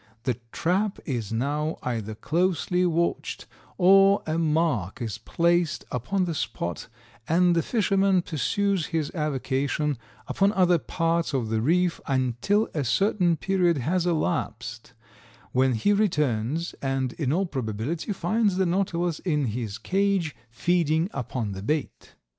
The trap is now either closely watched or a mark is placed upon the spot, and the fisherman pursues his avocation upon other parts of the reef until a certain period has elapsed, when he returns and in all probability finds the Nautilus in his cage, feeding upon the bait.